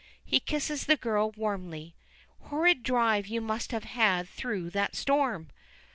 He kisses the girl warmly. "Horrid drive you must have had through that storm."